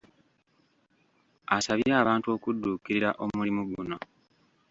Asabye abantu okudduukirira omulimu guno.